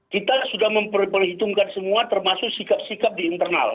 kita sudah memperhitungkan semua termasuk sikap sikap di internal